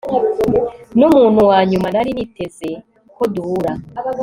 numuntu wanyuma nari niteze ko duhura